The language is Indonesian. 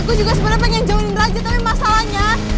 gue juga sebenernya pengen jauhin raja tapi masalahnya